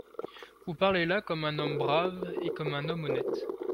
Vous parlez là comme un homme brave et comme un homme honnête.